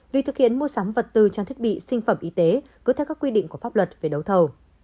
vì thực hiện mua sắm vật tư trang thiết bị sinh phẩm y tế cứ theo các quy định của pháp luật về đấu thầu